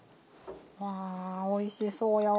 うわおいしそうやわ。